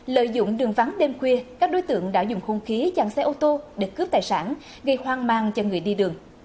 lợi dụng đường vắng đêm khuya các đối tượng đã dùng hung khí chặn xe ô tô để cướp tài sản gây hoang mang cho người đi đường